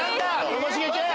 ともしげちゃん！